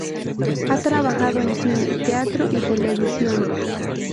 Ha trabajado en cine, teatro y televisión.